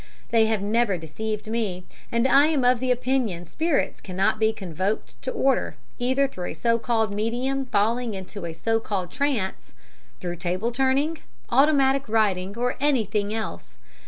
They have never deceived me, and I am of the opinion spirits cannot be convoked to order, either through a so called medium falling into a so called trance, through table turning, automatic writing, or anything else.